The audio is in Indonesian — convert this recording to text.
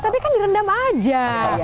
tapi kan direndam aja